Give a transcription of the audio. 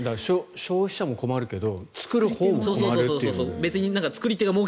消費者も困るけど作るほうも困るという。